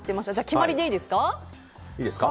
決まりでいいですか。